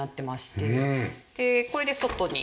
でこれで外に。